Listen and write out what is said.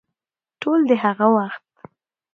ټول د هغه وخت